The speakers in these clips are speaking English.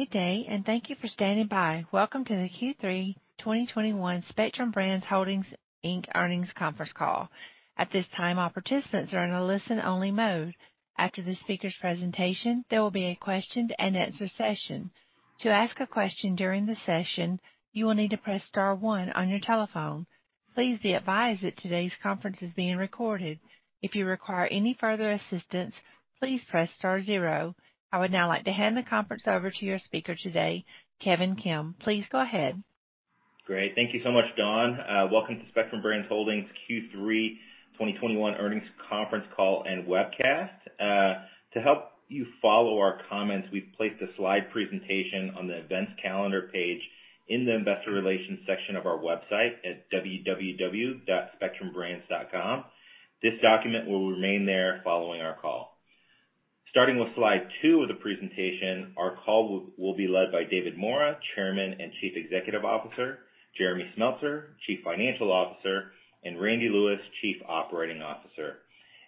Good day, and thank you for standing by. Welcome to the Q3 2021 Spectrum Brands Holdings, Inc. earnings conference call. At this time all participants are in listen only mode. After the speakers' presentation there will be a Q&A session. To ask a question during the session you will need to press star one on your telephone. Please be advised today's conference is being recorded. If you require any further assistance please press star zero. I would now like to hand the conference over to your speaker today, Kevin Kim. Please go ahead. Great. Thank you so much, Dawn. Welcome to Spectrum Brands Holdings' Q3 2021 earnings conference call and webcast. To help you follow our comments, we've placed the slide presentation on the events calendar page in the Investor Relations section of our website at www.spectrumbrands.com. This document will remain there following our call. Starting with slide two of the presentation, our call will be led by David Maura, Chairman and Chief Executive Officer, Jeremy Smeltser, Chief Financial Officer, and Randy Lewis, Chief Operating Officer.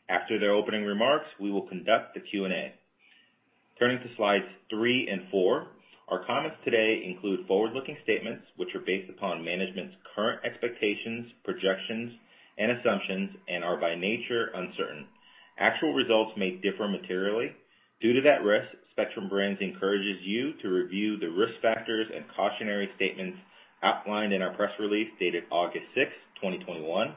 After their opening remarks, we will conduct the Q&A. Turning to slides three and four, our comments today include forward-looking statements which are based upon management's current expectations, projections, and assumptions and are by nature uncertain. Actual results may differ materially. Due to that risk, Spectrum Brands encourages you to review the risk factors and cautionary statements outlined in our press release dated August 6th, 2021,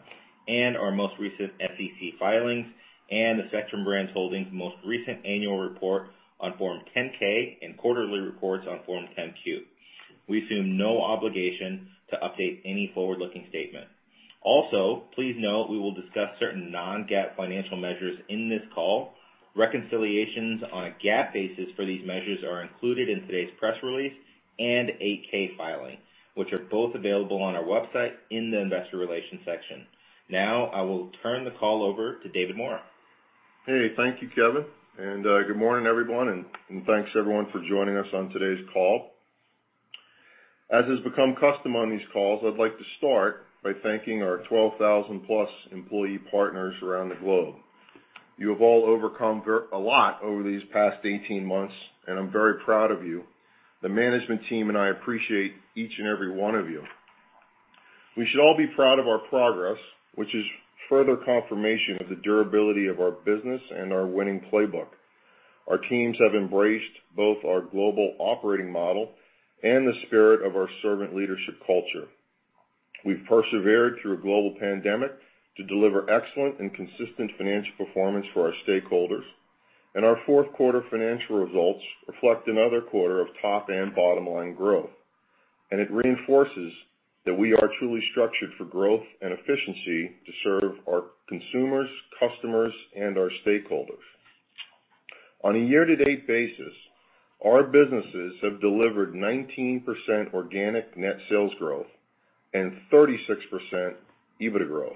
and our most recent SEC filings, and the Spectrum Brands Holdings most recent annual report on Form 10-K and quarterly reports on Form 10-Q. We assume no obligation to update any forward-looking statement. Also, please note we will discuss certain non-GAAP financial measures in this call. Reconciliations on a GAAP basis for these measures are included in today's press release and 8-K filing, which are both available on our website in the investor relations section. Now, I will turn the call over to David Maura. Hey, thank you, Kevin. Good morning, everyone, and thanks everyone for joining us on today's call. As has become custom on these calls, I'd like to start by thanking our 12,000+ employee partners around the globe. You have all overcome a lot over these past 18 months, and I'm very proud of you. The management team and I appreciate each and every one of you. We should all be proud of our progress, which is further confirmation of the durability of our business and our winning playbook. Our teams have embraced both our global operating model and the spirit of our servant leadership culture. We've persevered through a global pandemic to deliver excellent and consistent financial performance for our stakeholders. Our fourth quarter financial results reflect another quarter of top and bottom-line growth. It reinforces that we are truly structured for growth and efficiency to serve our consumers, customers, and our stakeholders. On a year-to-date basis, our businesses have delivered 19% organic net sales growth and 36% EBITDA growth.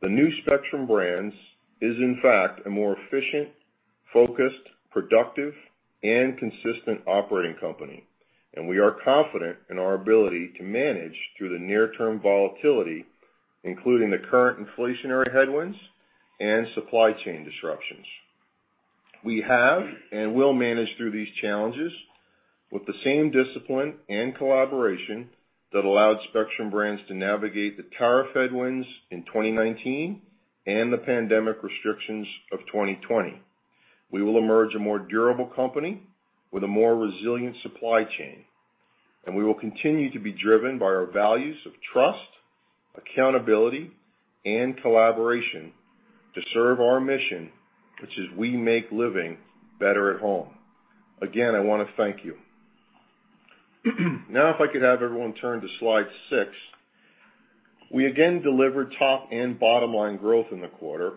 The new Spectrum Brands is in fact a more efficient, focused, productive, and consistent operating company. We are confident in our ability to manage through the near-term volatility, including the current inflationary headwinds and supply chain disruptions. We have and will manage through these challenges with the same discipline and collaboration that allowed Spectrum Brands to navigate the tariff headwinds in 2019 and the pandemic restrictions of 2020. We will emerge a more durable company with a more resilient supply chain, and we will continue to be driven by our values of trust, accountability, and collaboration to serve our mission, which is we make living better at home. Again, I want to thank you. Now, if I could have everyone turn to slide six. We again delivered top and bottom-line growth in the quarter,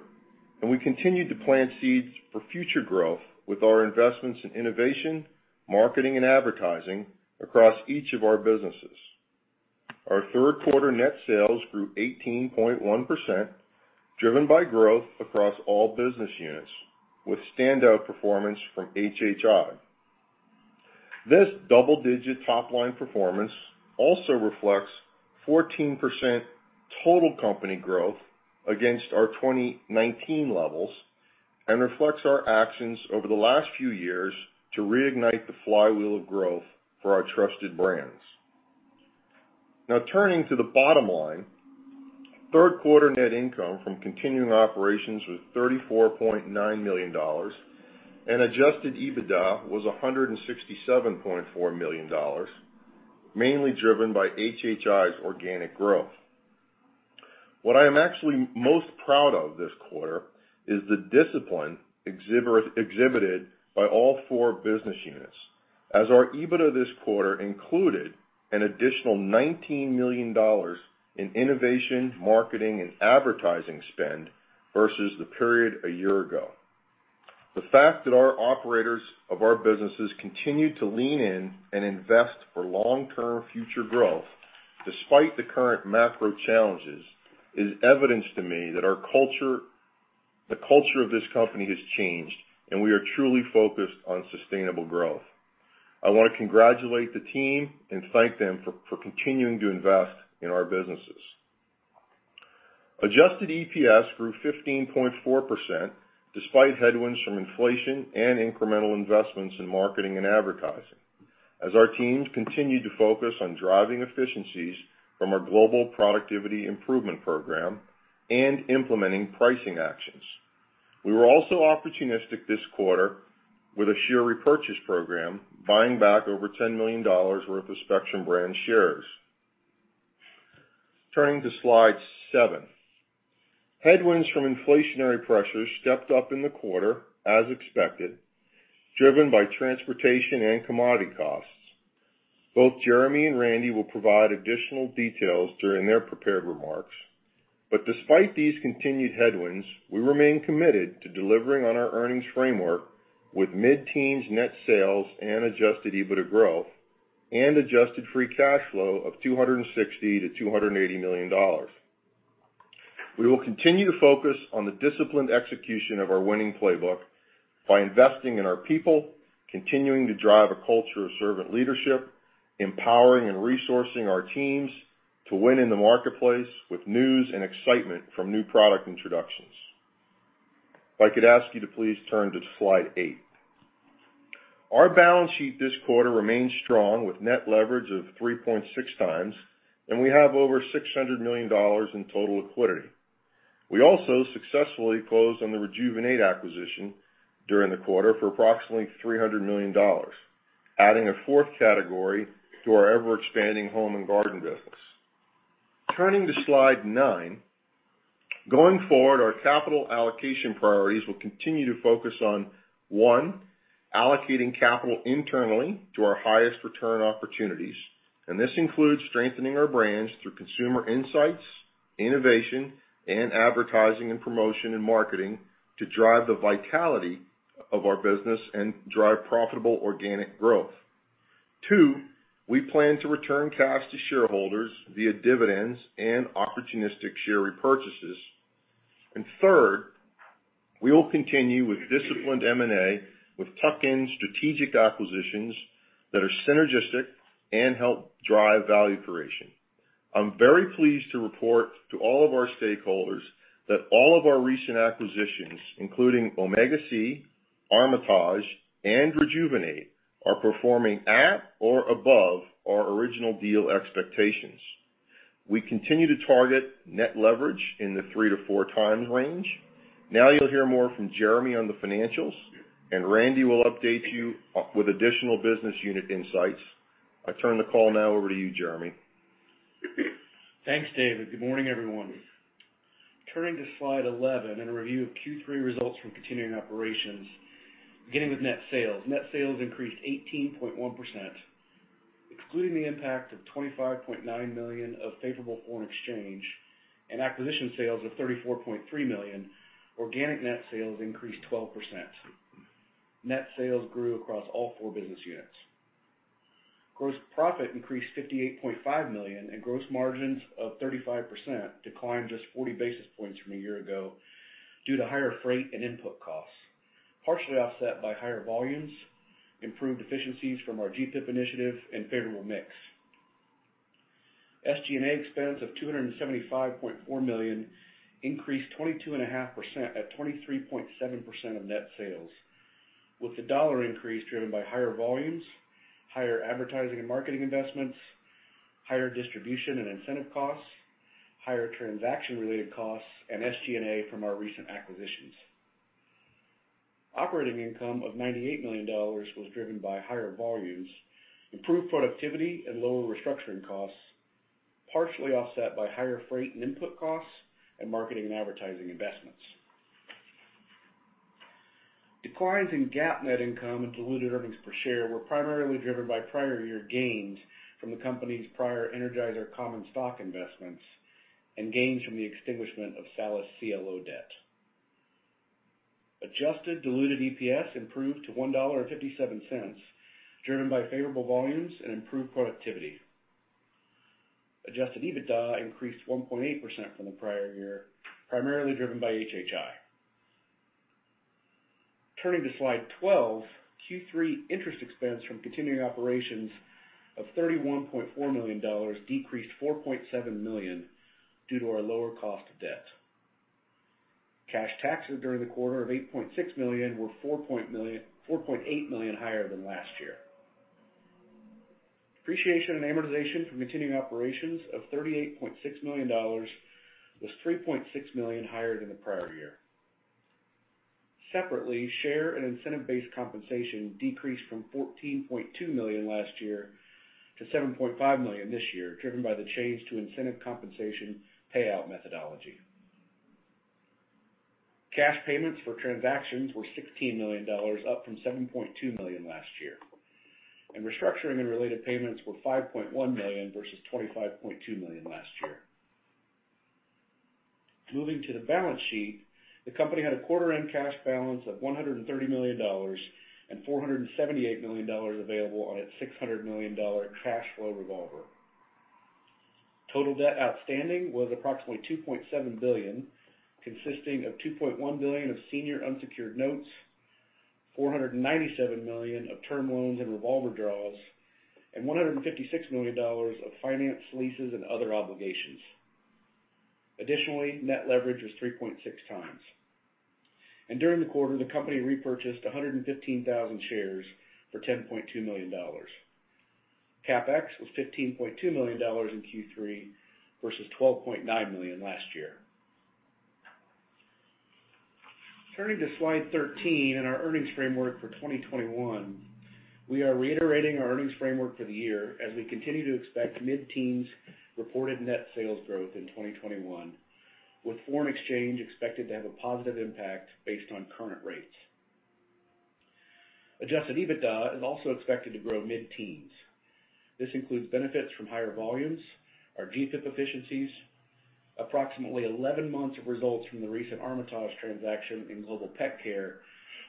and we continued to plant seeds for future growth with our investments in innovation, marketing, and advertising across each of our businesses. Our third quarter net sales grew 18.1%, driven by growth across all business units, with standout performance from HHI. This double-digit top-line performance also reflects 14% total company growth against our 2019 levels and reflects our actions over the last few years to reignite the flywheel of growth for our trusted brands. Turning to the bottom line, third quarter net income from continuing operations was $34.9 million, and Adjusted EBITDA was $167.4 million, mainly driven by HHI's organic growth. What I am actually most proud of this quarter is the discipline exhibited by all four business units, as our EBITDA this quarter included an additional $19 million in innovation, marketing, and advertising spend versus the period a year ago. The fact that our operators of our businesses continued to lean in and invest for long-term future growth, despite the current macro challenges, is evidence to me that the culture of this company has changed, and we are truly focused on sustainable growth. I want to congratulate the team and thank them for continuing to invest in our businesses. Adjusted EPS grew 15.4%, despite headwinds from inflation and incremental investments in marketing and advertising, as our teams continued to focus on driving efficiencies from our global productivity improvement program and implementing pricing actions. We were also opportunistic this quarter with a share repurchase program, buying back over $10 million worth of Spectrum Brands shares. Turning to slide seven. Headwinds from inflationary pressures stepped up in the quarter, as expected, driven by transportation and commodity costs. Both Jeremy and Randy will provide additional details during their prepared remarks. Despite these continued headwinds, we remain committed to delivering on our earnings framework with mid-teens net sales and Adjusted EBITDA growth and adjusted free cash flow of $260 million-$280 million. We will continue to focus on the disciplined execution of our winning playbook by investing in our people, continuing to drive a culture of servant leadership, empowering and resourcing our teams to win in the marketplace with news and excitement from new product introductions. If I could ask you to please turn to slide eight. Our balance sheet this quarter remains strong with net leverage of 3.6x, and we have over $600 million in total liquidity. We also successfully closed on the Rejuvenate acquisition during the quarter for approximately $300 million, adding a fourth category to our ever-expanding Home and Garden business. Turning to slide nine. Going forward, our capital allocation priorities will continue to focus on, one, allocating capital internally to our highest return opportunities, and this includes strengthening our brands through consumer insights, innovation, and advertising and promotion in marketing to drive the vitality of our business and drive profitable organic growth. Two, we plan to return cash to shareholders via dividends and opportunistic share repurchases. Three, we will continue with disciplined M&A with tuck-in strategic acquisitions that are synergistic and help drive value creation. I'm very pleased to report to all of our stakeholders that all of our recent acquisitions, including OmegaSea, Armitage, and Rejuvenate, are performing at or above our original deal expectations. We continue to target net leverage in the 3x to 4x range. You'll hear more from Jeremy on the financials, and Randy will update you with additional business unit insights. I turn the call now over to you, Jeremy. Thanks, David. Good morning, everyone. Turning to slide 11 and a review of Q3 results from continuing operations. Beginning with net sales. Net sales increased 18.1%, excluding the impact of $25.9 million of favorable foreign exchange and acquisition sales of $34.3 million, organic net sales increased 12%. Net sales grew across all four business units. Gross profit increased $58.5 million and gross margins of 35% declined just 40 basis points from a year ago due to higher freight and input costs, partially offset by higher volumes, improved efficiencies from our GPIP initiative, and favorable mix. SG&A expense of $275.4 million increased 22.5% at 23.7% of net sales, with the dollar increase driven by higher volumes, higher advertising and marketing investments, higher distribution and incentive costs, higher transaction-related costs, and SG&A from our recent acquisitions. Operating income of $98 million was driven by higher volumes, improved productivity and lower restructuring costs, partially offset by higher freight and input costs and marketing and advertising investments. Declines in GAAP net income and diluted earnings per share were primarily driven by prior year gains from the company's prior Energizer common stock investments and gains from the extinguishment of Salus CLO debt. Adjusted diluted EPS improved to $1.57, driven by favorable volumes and improved productivity. Adjusted EBITDA increased 1.8% from the prior year, primarily driven by HHI. Turning to slide 12, Q3 interest expense from continuing operations of $31.4 million decreased $4.7 million due to our lower cost of debt. Cash taxes during the quarter of $8.6 million were $4.8 million higher than last year. Depreciation and amortization from continuing operations of $38.6 million was $3.6 million higher than the prior year. Separately, share and incentive-based compensation decreased from $14.2 million last year to $7.5 million this year, driven by the change to incentive compensation payout methodology. Cash payments for transactions were $16 million, up from $7.2 million last year, and restructuring and related payments were $5.1 million versus $25.2 million last year. Moving to the balance sheet, the company had a quarter-end cash balance of $130 million and $478 million available on its $600 million cash flow revolver. Total debt outstanding was approximately $2.7 billion, consisting of $2.1 billion of senior unsecured notes, $497 million of term loans and revolver draws, and $156 million of finance leases and other obligations. Additionally, net leverage was 3.6x. During the quarter, the company repurchased 115,000 shares for $10.2 million. CapEx was $15.2 million in Q3 versus $12.9 million last year. Turning to slide 13 and our earnings framework for 2021. We are reiterating our earnings framework for the year as we continue to expect mid-teens reported net sales growth in 2021, with foreign exchange expected to have a positive impact based on current rates. Adjusted EBITDA is also expected to grow mid-teens. This includes benefits from higher volumes, our GPIP efficiencies, approximately 11 months of results from the recent Armitage transaction in Global Pet Care,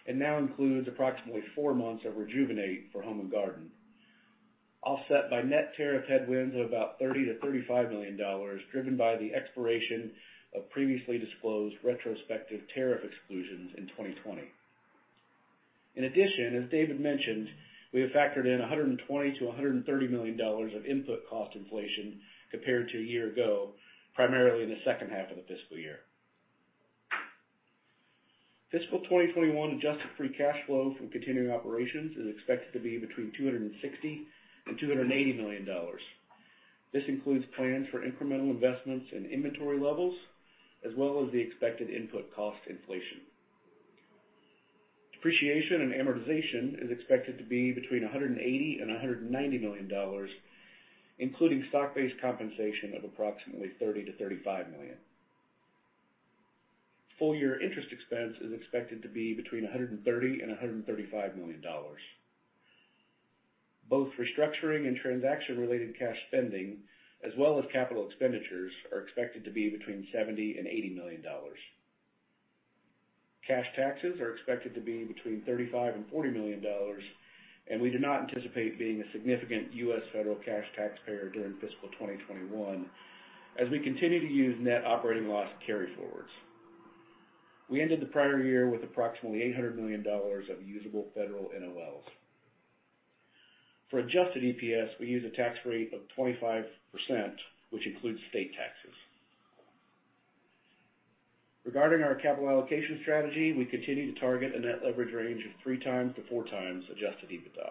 and now includes approximately four months of Rejuvenate for Home and Garden, offset by net tariff headwinds of about $30 million-$35 million, driven by the expiration of previously disclosed retrospective tariff exclusions in 2020. In addition, as David mentioned, we have factored in $120 million-$130 million of input cost inflation compared to a year ago, primarily in the second half of the fiscal year. Fiscal 2021 adjusted free cash flow from continuing operations is expected to be between $260 million and $280 million. This includes plans for incremental investments in inventory levels, as well as the expected input cost inflation. Depreciation and amortization is expected to be between $180 million and $190 million, including stock-based compensation of approximately $30 million-$35 million. Full-year interest expense is expected to be between $130 million and $135 million. Both restructuring and transaction-related cash spending, as well as capital expenditures, are expected to be between $70 million and $80 million. Cash taxes are expected to be between $35 million and $40 million, and we do not anticipate being a significant U.S. federal cash taxpayer during fiscal 2021, as we continue to use net operating loss carryforwards. We ended the prior year with approximately $800 million of usable federal NOLs. For adjusted EPS, we use a tax rate of 25%, which includes state taxes. Regarding our capital allocation strategy, we continue to target a net leverage range of 3x to 4x Adjusted EBITDA.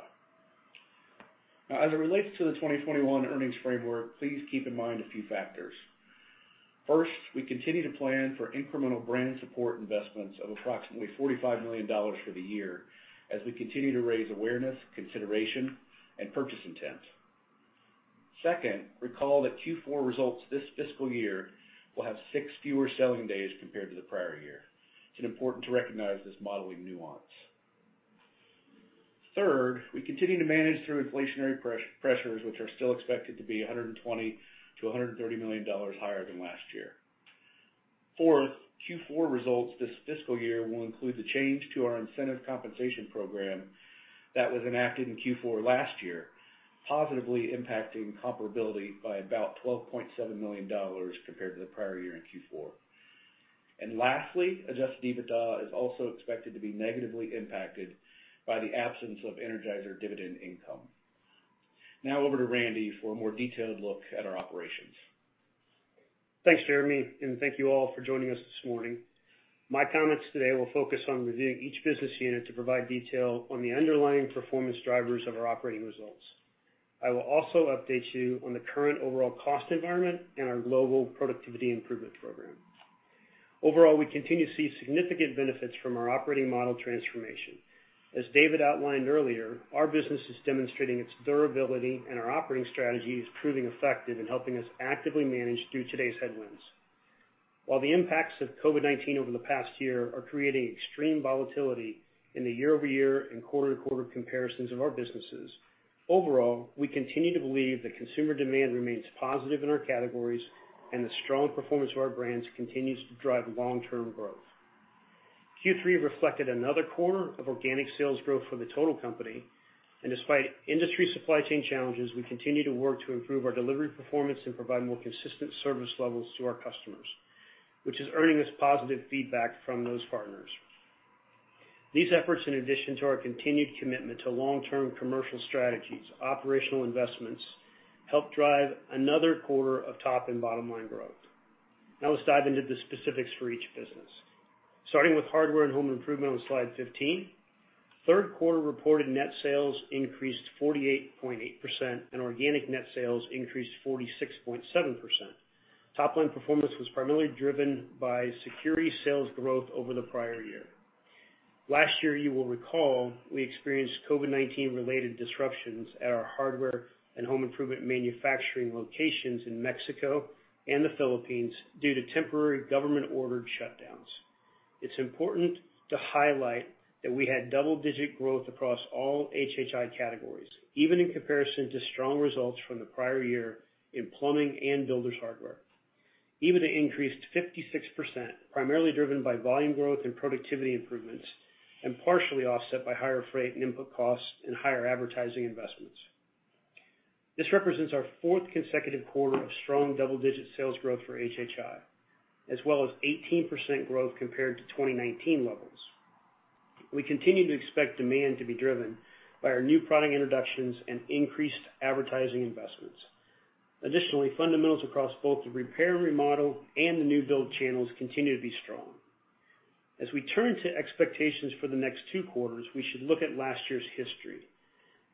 Now, as it relates to the 2021 earnings framework, please keep in mind a few factors. First, we continue to plan for incremental brand support investments of approximately $45 million for the year as we continue to raise awareness, consideration, and purchase intent. Second, recall that Q4 results this fiscal year will have six fewer selling days compared to the prior year. It's important to recognize this modeling nuance. Third, we continue to manage through inflationary pressures, which are still expected to be $120 million-$130 million higher than last year. Fourth, Q4 results this fiscal year will include the change to our incentive compensation program that was enacted in Q4 last year, positively impacting comparability by about $12.7 million compared to the prior year in Q4. Lastly, Adjusted EBITDA is also expected to be negatively impacted by the absence of Energizer dividend income. Over to Randy for a more detailed look at our operations. Thanks, Jeremy. Thank you all for joining us this morning. My comments today will focus on reviewing each business unit to provide detail on the underlying performance drivers of our operating results. I will also update you on the current overall cost environment and our Global Productivity Improvement Program. Overall, we continue to see significant benefits from our operating model transformation. As David outlined earlier, our business is demonstrating its durability and our operating strategy is proving effective in helping us actively manage through today's headwinds. While the impacts of COVID-19 over the past year are creating extreme volatility in the YoY and QoQ comparisons of our businesses, overall, we continue to believe that consumer demand remains positive in our categories and the strong performance of our brands continues to drive long-term growth. Q3 reflected another quarter of organic sales growth for the total company, and despite industry supply chain challenges, we continue to work to improve our delivery performance and provide more consistent service levels to our customers, which is earning us positive feedback from those partners. These efforts, in addition to our continued commitment to long-term commercial strategies, operational investments, help drive another quarter of top and bottom-line growth. Now let's dive into the specifics for each business. Starting with Hardware and Home Improvement on slide 15, third quarter reported net sales increased 48.8% and organic net sales increased 46.7%. Top-line performance was primarily driven by security sales growth over the prior year. Last year, you will recall, we experienced COVID-19-related disruptions at our hardware and home improvement manufacturing locations in Mexico and the Philippines due to temporary government-ordered shutdowns. It's important to highlight that we had double-digit growth across all HHI categories, even in comparison to strong results from the prior year in plumbing and builders hardware. EBITDA increased 56%, primarily driven by volume growth and productivity improvements, and partially offset by higher freight and input costs and higher advertising investments. This represents our fourth consecutive quarter of strong double-digit sales growth for HHI, as well as 18% growth compared to 2019 levels. We continue to expect demand to be driven by our new product introductions and increased advertising investments. Additionally, fundamentals across both the repair and remodel and the new build channels continue to be strong. As we turn to expectations for the next two quarters, we should look at last year's history.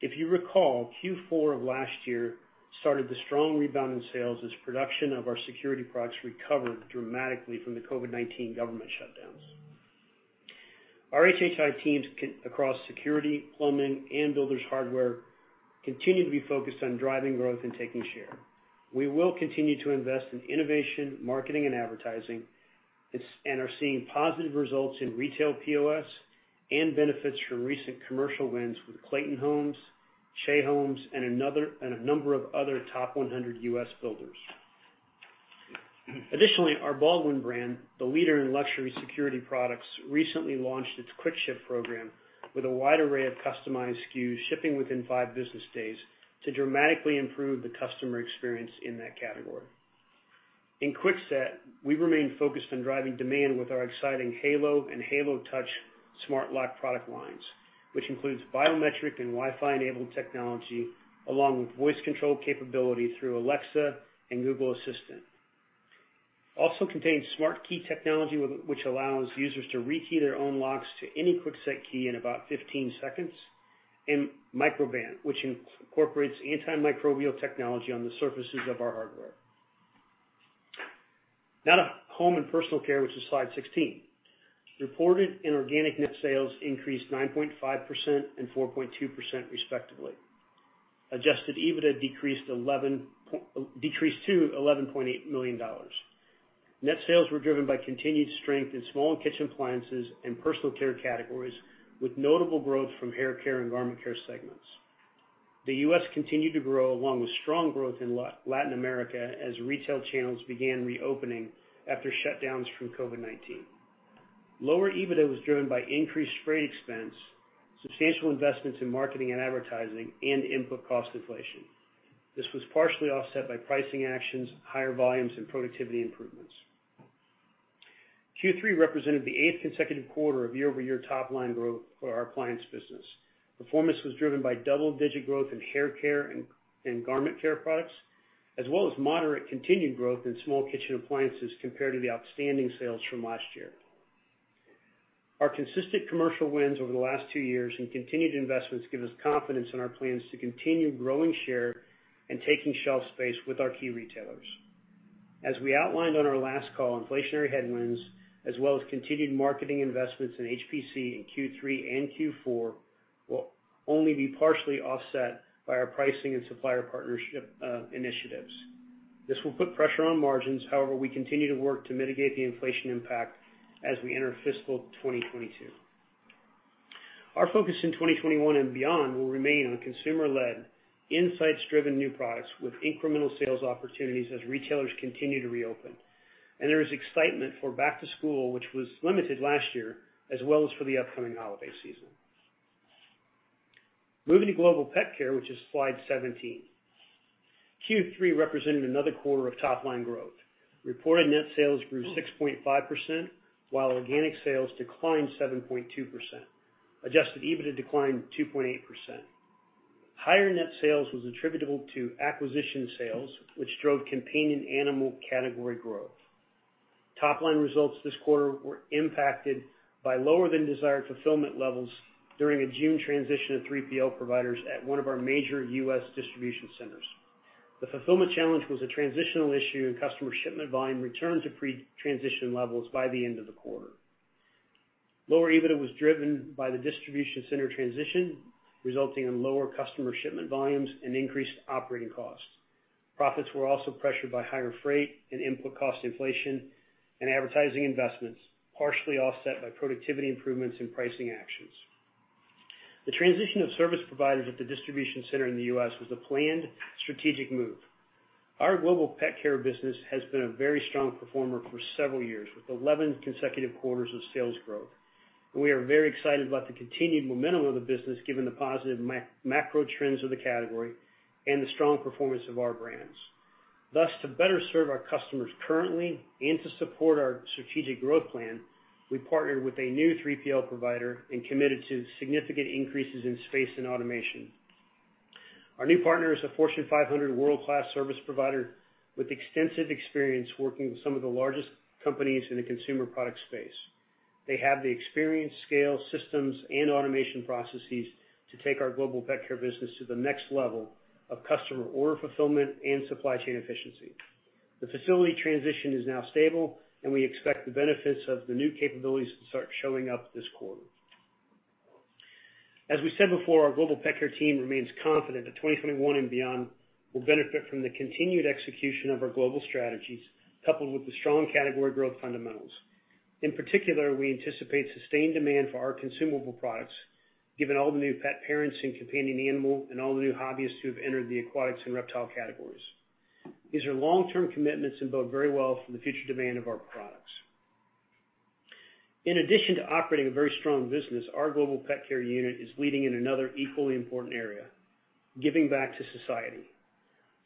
If you recall, Q4 of last year started the strong rebound in sales as production of our security products recovered dramatically from the COVID-19 government shutdowns. Our HHI teams across security, plumbing, and builders hardware continue to be focused on driving growth and taking share. We will continue to invest in innovation, marketing, and advertising, and are seeing positive results in retail POS and benefits from recent commercial wins with Clayton Homes, Shea Homes, and a number of other top 100 U.S. builders. Additionally, our Baldwin brand, the leader in luxury security products, recently launched its Quick Ship program with a wide array of customized SKUs shipping within five business days to dramatically improve the customer experience in that category. In Kwikset, we remain focused on driving demand with our exciting Halo and Halo Touch smart lock product lines, which includes biometric and Wi-Fi enabled technology, along with voice control capability through Alexa and Google Assistant. Also contains SmartKey technology, which allows users to re-key their own locks to any Kwikset key in about 15 seconds, and Microban, which incorporates antimicrobial technology on the surfaces of our hardware. To Home and Personal Care, which is slide 16. Reported and organic net sales increased 9.5% and 4.2% respectively. Adjusted EBITDA decreased to $11.8 million. Net sales were driven by continued strength in small and kitchen appliances and personal care categories, with notable growth from hair care and garment care segments. The U.S. continued to grow, along with strong growth in Latin America as retail channels began reopening after shutdowns from COVID-19. Lower EBITDA was driven by increased freight expense, substantial investments in marketing and advertising, and input cost inflation. This was partially offset by pricing actions, higher volumes, and productivity improvements. Q3 represented the eighth consecutive quarter of YoY top line growth for our appliance business. Performance was driven by double-digit growth in hair care and garment care products, as well as moderate continued growth in small kitchen appliances compared to the outstanding sales from last year. Our consistent commercial wins over the last two years and continued investments give us confidence in our plans to continue growing share and taking shelf space with our key retailers. As we outlined on our last call, inflationary headwinds, as well as continued marketing investments in HPC in Q3 and Q4, will only be partially offset by our pricing and supplier partnership initiatives. This will put pressure on margins. However, we continue to work to mitigate the inflation impact as we enter fiscal 2022. Our focus in 2021 and beyond will remain on consumer-led, insights-driven new products with incremental sales opportunities as retailers continue to reopen. There is excitement for back to school, which was limited last year, as well as for the upcoming holiday season. Moving to Global Pet Care, which is slide 17. Q3 represented another quarter of top-line growth. Reported net sales grew 6.5%, while organic sales declined 7.2%. Adjusted EBITDA declined 2.8%. Higher net sales was attributable to acquisition sales, which drove companion animal category growth. Top-line results this quarter were impacted by lower than desired fulfillment levels during a June transition of 3PL providers at one of our major U.S. distribution centers. The fulfillment challenge was a transitional issue, and customer shipment volume returned to pre-transition levels by the end of the quarter. Lower EBITDA was driven by the distribution center transition, resulting in lower customer shipment volumes and increased operating costs. Profits were also pressured by higher freight and input cost inflation and advertising investments, partially offset by productivity improvements in pricing actions. The transition of service providers at the distribution center in the U.S. was a planned strategic move. Our Global Pet Care business has been a very strong performer for several years, with 11 consecutive quarters of sales growth. We are very excited about the continued momentum of the business given the positive macro trends of the category and the strong performance of our brands. To better serve our customers currently and to support our strategic growth plan, we partnered with a new 3PL provider and committed to significant increases in space and automation. Our new partner is a Fortune 500 world-class service provider with extensive experience working with some of the largest companies in the consumer product space. They have the experience, scale, systems, and automation processes to take our Global Pet Care business to the next level of customer order fulfillment and supply chain efficiency. The facility transition is now stable, we expect the benefits of the new capabilities to start showing up this quarter. As we said before, our Global Pet Care team remains confident that 2021 and beyond will benefit from the continued execution of our global strategies, coupled with the strong category growth fundamentals. In particular, we anticipate sustained demand for our consumable products, given all the new pet parents and companion animal and all the new hobbyists who have entered the aquatics and reptile categories. These are long-term commitments and bode very well for the future demand of our products. In addition to operating a very strong business, our Global Pet Care unit is leading in another equally important area, giving back to society.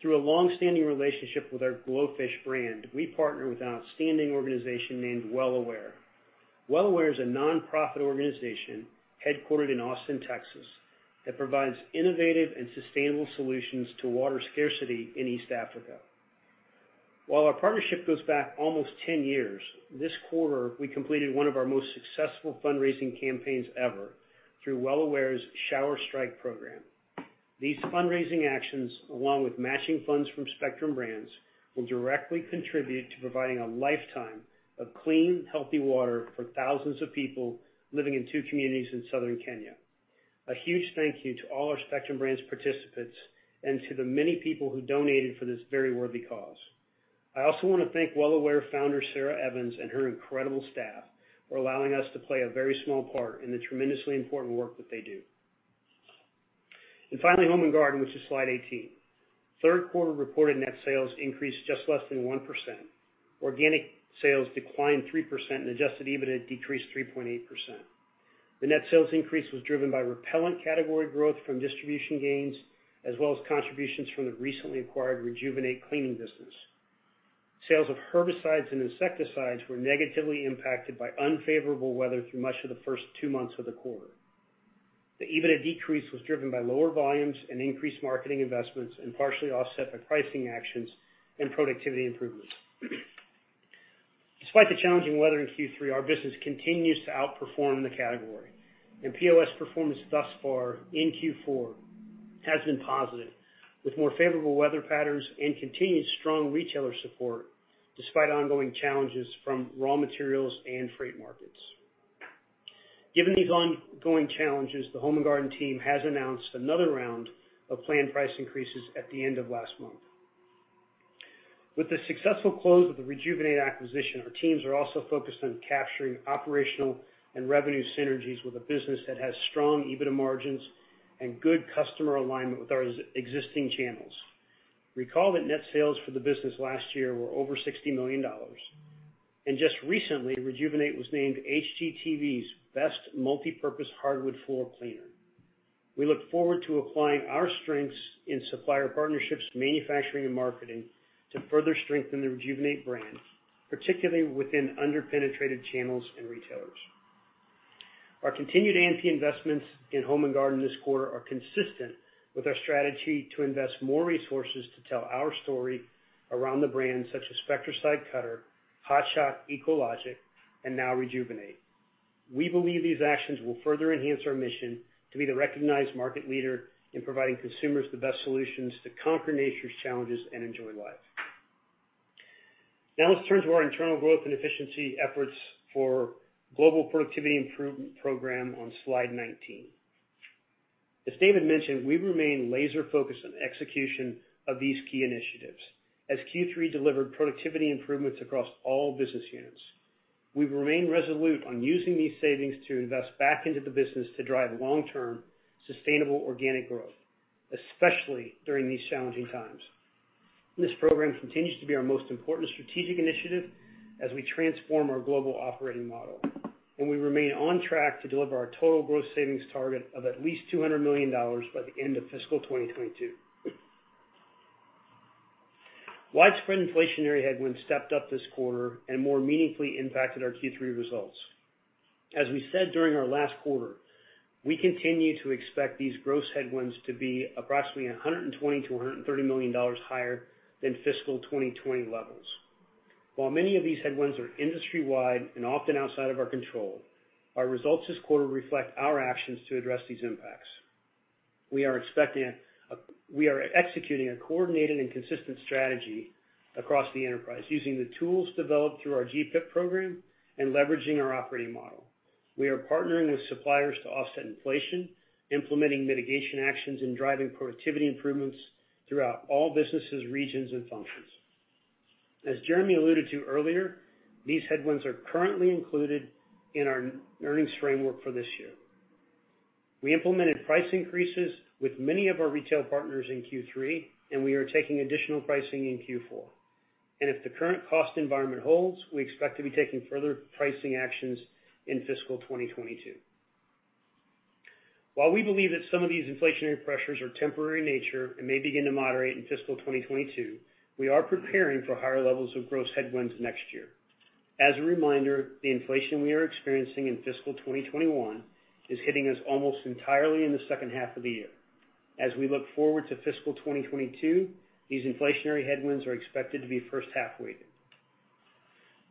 Through a long-standing relationship with our GloFish brand, we partner with an outstanding organization named Well Aware. Well Aware is a nonprofit organization headquartered in Austin, Texas, that provides innovative and sustainable solutions to water scarcity in East Africa. While our partnership goes back almost 10 years, this quarter, we completed one of our most successful fundraising campaigns ever through Well Aware's Shower Strike program. These fundraising actions, along with matching funds from Spectrum Brands, will directly contribute to providing a lifetime of clean, healthy water for thousands of people living in two communities in southern Kenya. A huge thank you to all our Spectrum Brands participants and to the many people who donated for this very worthy cause. I also want to thank Well Aware founder, Sarah Evans, and her incredible staff for allowing us to play a very small part in the tremendously important work that they do. Finally, Home and Garden, which is slide 18. Third quarter reported net sales increased just less than 1%. Organic sales declined 3%, and adjusted EBIT decreased 3.8%. The net sales increase was driven by repellent category growth from distribution gains, as well as contributions from the recently acquired Rejuvenate cleaning business. Sales of herbicides and insecticides were negatively impacted by unfavorable weather through much of the first two months of the quarter. The EBIT decrease was driven by lower volumes and increased marketing investments, and partially offset by pricing actions and productivity improvements. Despite the challenging weather in Q3, our business continues to outperform in the category, and POS performance thus far in Q4 has been positive, with more favorable weather patterns and continued strong retailer support, despite ongoing challenges from raw materials and freight markets. Given these ongoing challenges, the Home and Garden team has announced another round of planned price increases at the end of last month. With the successful close of the Rejuvenate acquisition, our teams are also focused on capturing operational and revenue synergies with a business that has strong EBIT margins and good customer alignment with our existing channels. Recall that net sales for the business last year were over $60 million. Just recently, Rejuvenate was named HGTV's best multipurpose hardwood floor cleaner. We look forward to applying our strengths in supplier partnerships, manufacturing, and marketing to further strengthen the Rejuvenate brand, particularly within under-penetrated channels and retailers. Our continued A&P investments in Home and Garden this quarter are consistent with our strategy to invest more resources to tell our story around the brands such as Spectracide Cutter, Hot Shot, EcoLogic, and now Rejuvenate. We believe these actions will further enhance our mission to be the recognized market leader in providing consumers the best solutions to conquer nature's challenges and enjoy life. Now let's turn to our internal growth and efficiency efforts for Global Productivity Improvement Program on slide 19. As David mentioned, we remain laser focused on execution of these key initiatives, as Q3 delivered productivity improvements across all business units. We remain resolute on using these savings to invest back into the business to drive long-term sustainable organic growth, especially during these challenging times. This program continues to be our most important strategic initiative as we transform our global operating model, and we remain on track to deliver our total gross savings target of at least $200 million by the end of fiscal 2022. Widespread inflationary headwinds stepped up this quarter and more meaningfully impacted our Q3 results. As we said during our last quarter, we continue to expect these gross headwinds to be approximately $120 million-$130 million higher than fiscal 2020 levels. While many of these headwinds are industry-wide and often outside of our control, our results this quarter reflect our actions to address these impacts. We are executing a coordinated and consistent strategy across the enterprise using the tools developed through our GPIP program and leveraging our operating model. We are partnering with suppliers to offset inflation, implementing mitigation actions, and driving productivity improvements throughout all businesses, regions, and functions. As Jeremy alluded to earlier, these headwinds are currently included in our earnings framework for this year. We implemented price increases with many of our retail partners in Q3, and we are taking additional pricing in Q4. If the current cost environment holds, we expect to be taking further pricing actions in fiscal 2022. While we believe that some of these inflationary pressures are temporary in nature and may begin to moderate in fiscal 2022, we are preparing for higher levels of gross headwinds next year. As a reminder, the inflation we are experiencing in fiscal 2021 is hitting us almost entirely in the second half of the year. As we look forward to fiscal 2022, these inflationary headwinds are expected to be first half weighted.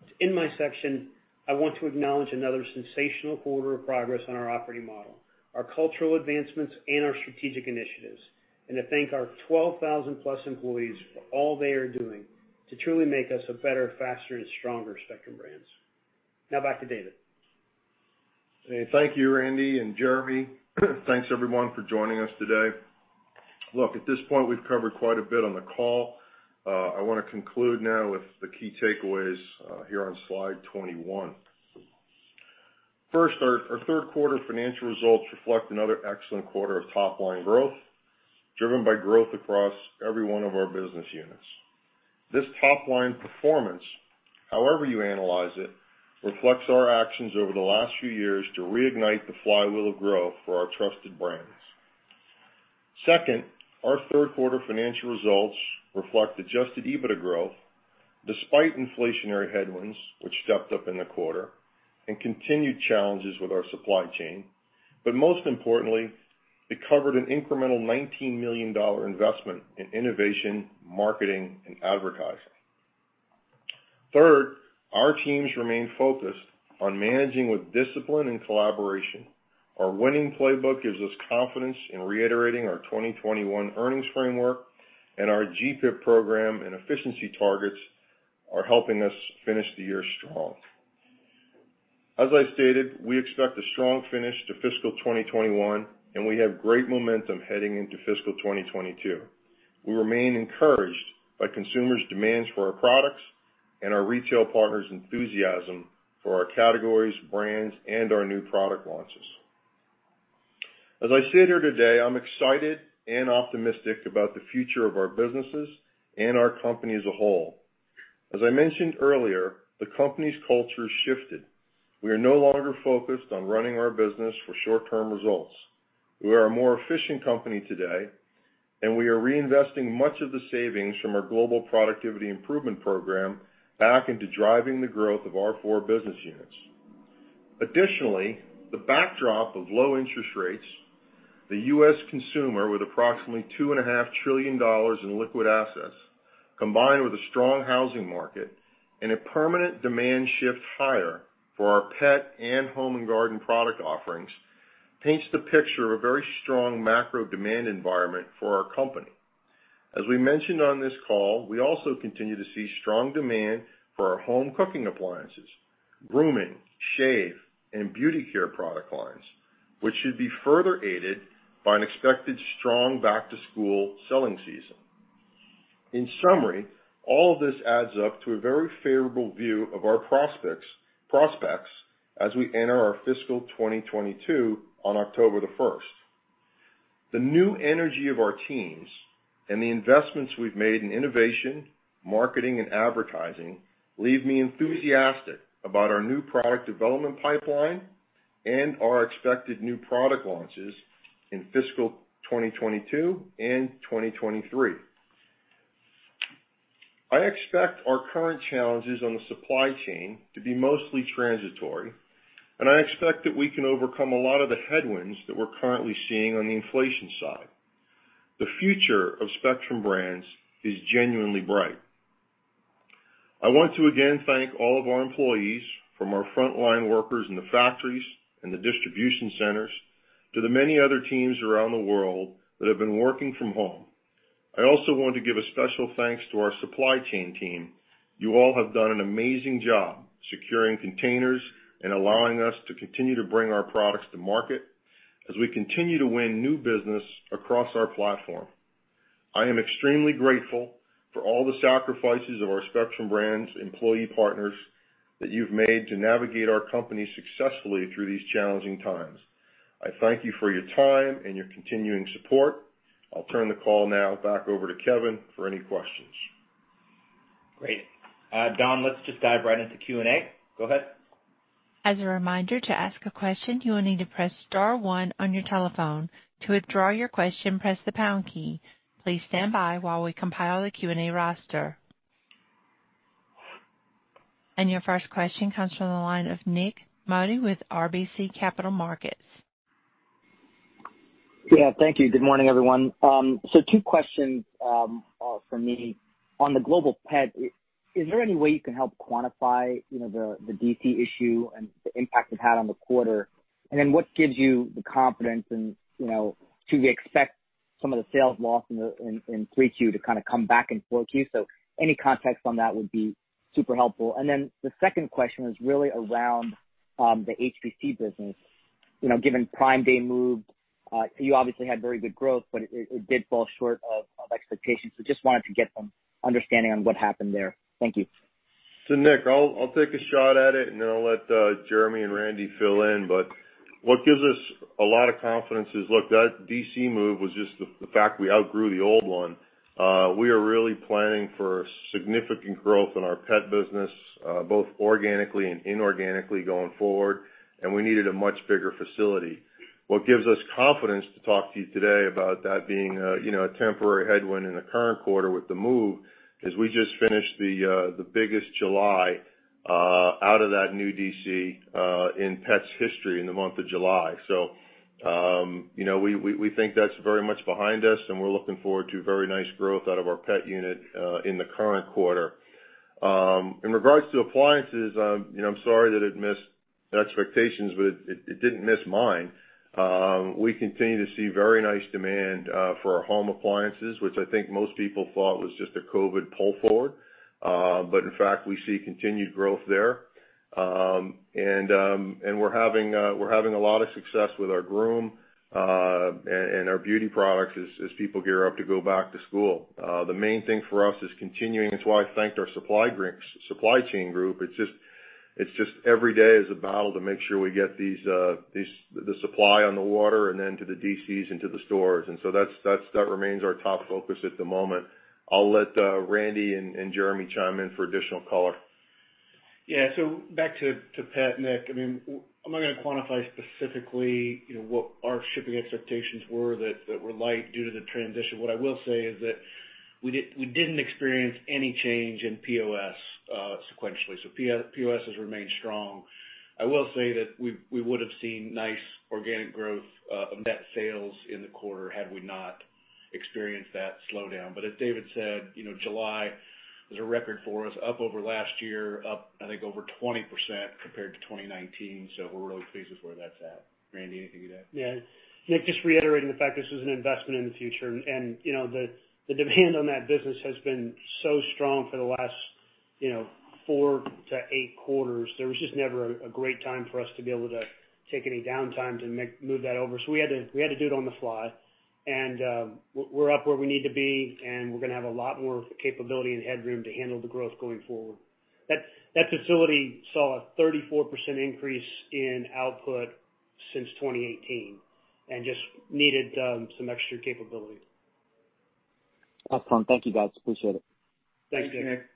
To end my section, I want to acknowledge another sensational quarter of progress on our operating model, our cultural advancements, and our strategic initiatives, and to thank our 12,000+ employees for all they are doing to truly make us a better, faster, and stronger Spectrum Brands. Now back to David. Thank you, Randy and Jeremy. Thanks everyone for joining us today. Look, at this point, we've covered quite a bit on the call. I want to conclude now with the key takeaways here on slide 21. First, our third quarter financial results reflect another excellent quarter of top-line growth, driven by growth across every one of our business units. This top-line performance, however you analyze it, reflects our actions over the last few years to reignite the flywheel of growth for our trusted brands. Second, our third quarter financial results reflect Adjusted EBITDA growth despite inflationary headwinds, which stepped up in the quarter, and continued challenges with our supply chain. Most importantly, it covered an incremental $19 million investment in innovation, marketing, and advertising. Third, our teams remain focused on managing with discipline and collaboration. Our winning playbook gives us confidence in reiterating our 2021 earnings framework, and our GPIP program and efficiency targets are helping us finish the year strong. As I stated, we expect a strong finish to fiscal 2021, and we have great momentum heading into fiscal 2022. We remain encouraged by consumers' demands for our products and our retail partners' enthusiasm for our categories, brands, and our new product launches. As I sit here today, I'm excited and optimistic about the future of our businesses and our company as a whole. As I mentioned earlier, the company's culture has shifted. We are no longer focused on running our business for short-term results. We are a more efficient company today, and we are reinvesting much of the savings from our Global Productivity Improvement Program back into driving the growth of our four business units. Additionally, the backdrop of low interest rates, the U.S. consumer with approximately $2.5 trillion in liquid assets, combined with a strong housing market and a permanent demand shift higher for our pet and home and garden product offerings, paints the picture of a very strong macro demand environment for our company. As we mentioned on this call, we also continue to see strong demand for our home cooking appliances, grooming, shave, and beauty care product lines, which should be further aided by an expected strong back-to-school selling season. In summary, all of this adds up to a very favorable view of our prospects as we enter our fiscal 2022 on October the 1st. The new energy of our teams and the investments we've made in innovation, marketing, and advertising leave me enthusiastic about our new product development pipeline and our expected new product launches in fiscal 2022 and 2023. I expect our current challenges on the supply chain to be mostly transitory, and I expect that we can overcome a lot of the headwinds that we're currently seeing on the inflation side. The future of Spectrum Brands is genuinely bright. I want to again thank all of our employees, from our frontline workers in the factories and the distribution centers, to the many other teams around the world that have been working from home. I also want to give a special thanks to our supply chain team. You all have done an amazing job securing containers and allowing us to continue to bring our products to market as we continue to win new business across our platform. I am extremely grateful for all the sacrifices of our Spectrum Brands employee partners that you've made to navigate our company successfully through these challenging times. I thank you for your time and your continuing support. I'll turn the call now back over to Kevin for any questions. Great. Dawn, let's just dive right into Q&A. Go ahead. As a reminder to ask a question you will need to press star one on your telephone. To withdraw your question press the pound key. Please standby while we compile the Q&A roster. Your first question comes from the line of Nik Modi with RBC Capital Markets. Yeah, thank you. Good morning, everyone. Two questions from me. On the Global Pet Care, is there any way you can help quantify the DC issue and the impact it had on the quarter? What gives you the confidence, and should we expect some of the sales lost in Q3 to kind of come back in Q4? Any context on that would be super helpful. The second question is really around the HPC business. Given Prime Day move, you obviously had very good growth, but it did fall short of expectations. Just wanted to get some understanding on what happened there. Thank you. Nik, I'll take a shot at it, and then I'll let Jeremy and Randy fill in. What gives us a lot of confidence is, look, that DC move was just the fact we outgrew the old one. We are really planning for significant growth in our pet business, both organically and inorganically going forward, and we needed a much bigger facility. What gives us confidence to talk to you today about that being a temporary headwind in the current quarter with the move is we just finished the biggest July out of that new DC in pets history in the month of July. We think that's very much behind us, and we're looking forward to very nice growth out of our pet unit in the current quarter. In regards to appliances, I'm sorry that it missed the expectations, but it didn't miss mine. We continue to see very nice demand for our home appliances, which I think most people thought was just a COVID pull forward. In fact, we see continued growth there. We're having a lot of success with our groom and our beauty products as people gear up to go back to school. The main thing for us is continuing. It's why I thanked our supply chain group. It's just every day is a battle to make sure we get the supply on the water and then to the DCs into the stores. That remains our top focus at the moment. I'll let Randy and Jeremy chime in for additional color. Back to Pet, Nik, I'm not going to quantify specifically what our shipping expectations were that were light due to the transition. What I will say is that we didn't experience any change in POS sequentially. POS has remained strong. I will say that we would've seen nice organic growth of net sales in the quarter had we not experienced that slowdown. As David said, July was a record for us, up over last year, up I think over 20% compared to 2019. We're really pleased with where that's at. Randy, anything to add? Yeah, Nik, just reiterating the fact this is an investment in the future, and the demand on that business has been so strong for the last four to eight quarters. There was just never a great time for us to be able to take any downtime to move that over. We had to do it on the fly. We're up where we need to be, and we're going to have a lot more capability and headroom to handle the growth going forward. That facility saw a 34% increase in output since 2018, and just needed some extra capability. Awesome. Thank you, guys. Appreciate it. Thanks, Nik. Thanks, Nik.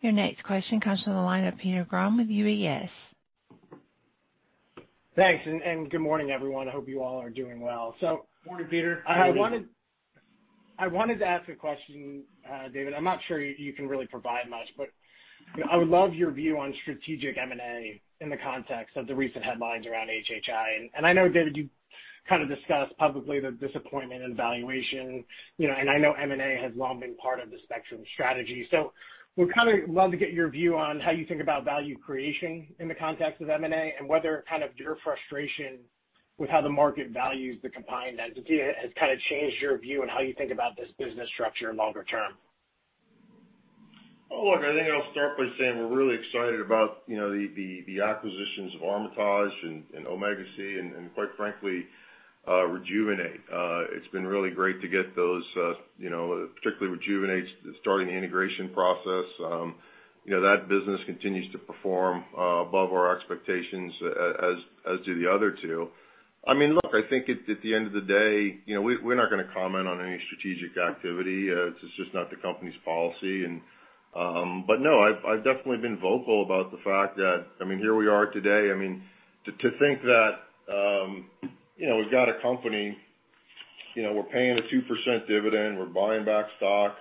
Your next question comes from the line of Peter Grom with UBS. Thanks, and good morning, everyone. Hope you all are doing well. Morning, Peter. I wanted to ask a question, David. I'm not sure you can really provide much, but I would love your view on strategic M&A in the context of the recent headlines around HHI. I know, David, you kind of discussed publicly the disappointment and valuation, and I know M&A has long been part of the Spectrum strategy. Would kind of love to get your view on how you think about value creation in the context of M&A, and whether kind of your frustration with how the market values the combined entity has kind of changed your view on how you think about this business structure longer term. I think I'll start by saying we're really excited about the acquisitions of Armitage and OmegaSea, and quite frankly, Rejuvenate. It's been really great to get those, particularly Rejuvenate, starting the integration process. That business continues to perform above our expectations, as do the other two. I think at the end of the day, we're not gonna comment on any strategic activity. It's just not the company's policy. No, I've definitely been vocal about the fact that, here we are today. To think that we've got a company, we're paying a 2% dividend, we're buying back stock,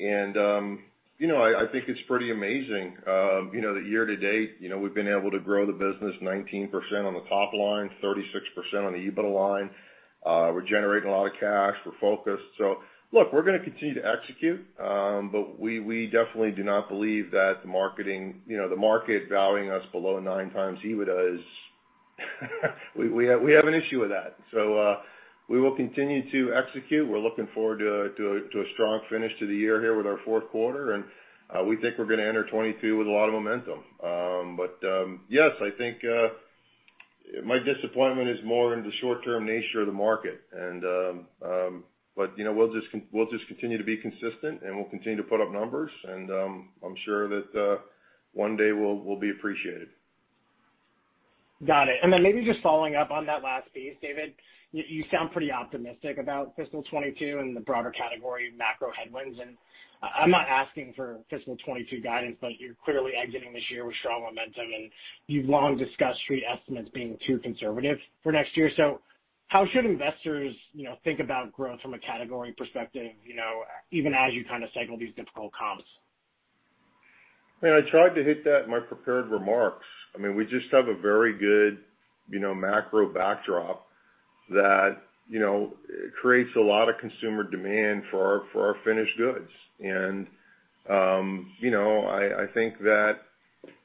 and I think it's pretty amazing that year to date, we've been able to grow the business 19% on the top line, 36% on the EBITDA line. We're generating a lot of cash. We're focused. look, we're gonna continue to execute, but we definitely do not believe that the market valuing us below 9x EBITDA. We have an issue with that. We will continue to execute. We're looking forward to a strong finish to the year here with our fourth quarter, and we think we're gonna enter 2022 with a lot of momentum. Yes, I think, my disappointment is more in the short-term nature of the market. We'll just continue to be consistent, and we'll continue to put up numbers, and I'm sure that one day we'll be appreciated. Got it. Maybe just following up on that last piece, David, you sound pretty optimistic about fiscal 2022 and the broader category of macro headwinds, and I'm not asking for fiscal 2022 guidance, but you're clearly exiting this year with strong momentum, and you've long discussed street estimates being too conservative for next year. How should investors think about growth from a category perspective, even as you kind of cycle these difficult comps? I tried to hit that in my prepared remarks. We just have a very good macro backdrop that creates a lot of consumer demand for our finished goods. I think that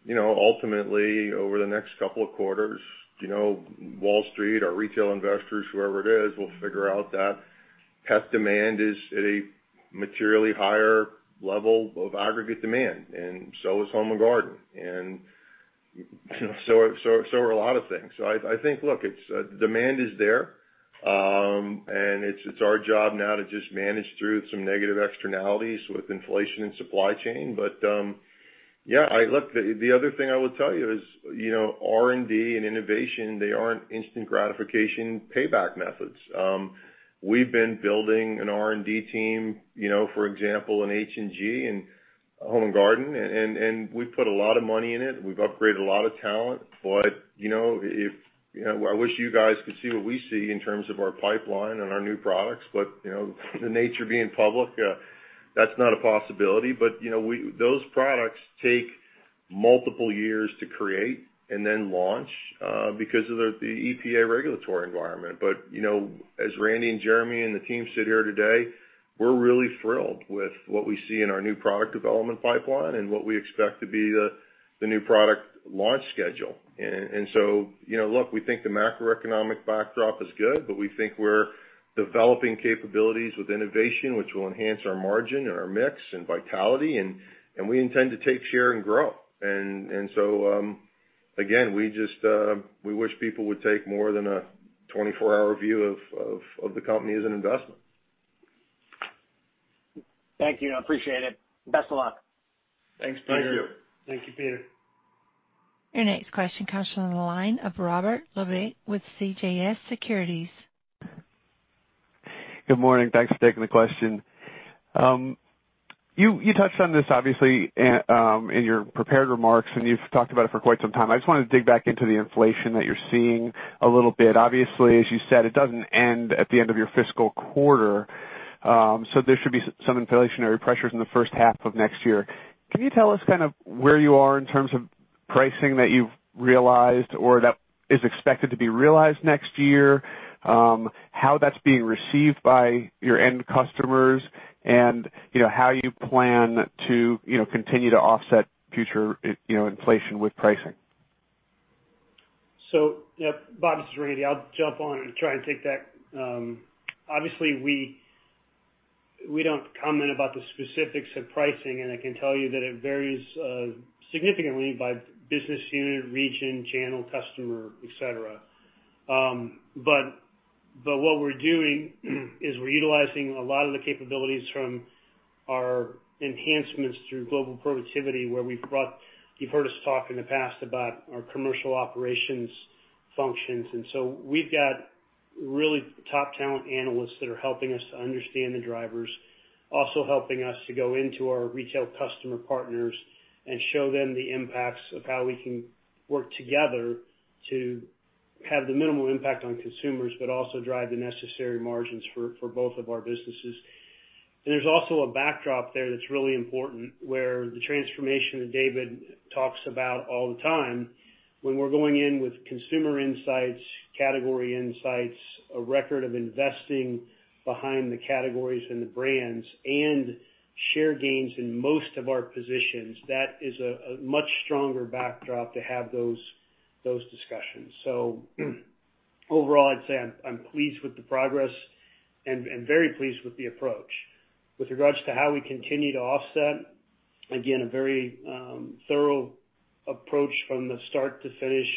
ultimately, over the next couple of quarters, Wall Street, our retail investors, whoever it is, will figure out that pet demand is at a materially higher level of aggregate demand, and so is Home and Garden. So are a lot of things. I think, look, demand is there, and it's our job now to just manage through some negative externalities with inflation and supply chain. Yeah, look, the other thing I will tell you is R&D and innovation, they aren't instant gratification payback methods. We've been building an R&D team, for example, in H&G, in Home and Garden, and we've put a lot of money in it. We've upgraded a lot of talent. I wish you guys could see what we see in terms of our pipeline and our new products, but the nature of being public, that's not a possibility. Those products take multiple years to create and then launch, because of the EPA regulatory environment. As Randy and Jeremy and the team sit here today, we're really thrilled with what we see in our new product development pipeline and what we expect to be the new product launch schedule. Look, we think the macroeconomic backdrop is good, but we think we're developing capabilities with innovation, which will enhance our margin and our mix and vitality, and we intend to take share and grow. Again, we wish people would take more than a 24-hour view of the company as an investment. Thank you. I appreciate it. Best of luck. Thanks, Peter. Thank you. Thank you, Peter. Your next question comes from the line of Robert Labick with CJS Securities. Good morning. Thanks for taking the question. You touched on this obviously in your prepared remarks, and you've talked about it for quite some time. I just wanted to dig back into the inflation that you're seeing a little bit. Obviously, as you said, it doesn't end at the end of your fiscal quarter. There should be some inflationary pressures in the first half of next year. Can you tell us kind of where you are in terms of pricing that you've realized or that is expected to be realized next year? How that's being received by your end customers, and how you plan to continue to offset future inflation with pricing. Bob, this is Randy. I'll jump on and try and take that. Obviously, we don't comment about the specifics of pricing, and I can tell you that it varies significantly by business unit, region, channel, customer, et cetera. What we're doing is we're utilizing a lot of the capabilities from our enhancements through global productivity, where we've brought You've heard us talk in the past about our commercial operations functions. We've got really top talent analysts that are helping us to understand the drivers. Also helping us to go into our retail customer partners and show them the impacts of how we can work together to have the minimal impact on consumers, but also drive the necessary margins for both of our businesses. There's also a backdrop there that's really important, where the transformation that David talks about all the time, when we're going in with consumer insights, category insights, a record of investing behind the categories and the brands, and share gains in most of our positions. That is a much stronger backdrop to have those discussions. Overall, I'd say I'm pleased with the progress and very pleased with the approach. With regards to how we continue to offset, again, a very thorough approach from the start to finish,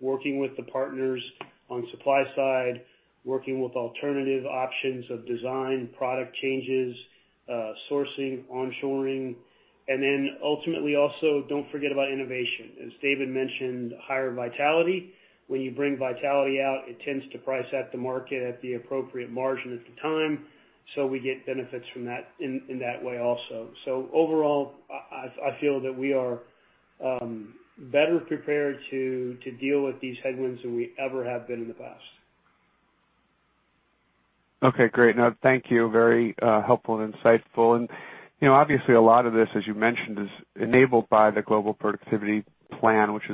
working with the partners on supply side, working with alternative options of design, product changes, sourcing, onshoring, and then ultimately, also, don't forget about innovation. As David mentioned, higher vitality. When you bring vitality out, it tends to price at the market at the appropriate margin at the time. We get benefits from that in that way also. Overall, I feel that we are better prepared to deal with these headwinds than we ever have been in the past. Okay, great. No, thank you. Very helpful and insightful. Obviously, a lot of this, as you mentioned, is enabled by the Global Productivity Plan, which